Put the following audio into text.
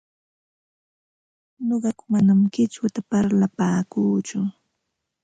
Nuqaku manam qichwata parlapaakuuchu,